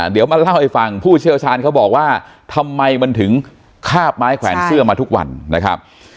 เดี๋ยวมาเล่าให้ฟังผู้เชี่ยวชาญเขาบอกว่าทำไมมันถึงคาบไม้แขวนเสื้อมาทุกวันนะครับ